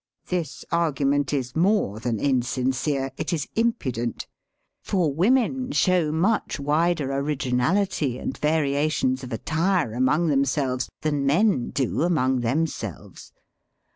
This argument is more than insincere ; it is impudent. For women show much wider ori^nality and variations of attire among them selves than men do among themselves.